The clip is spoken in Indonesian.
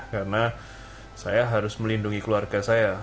karena saya harus melindungi keluarga saya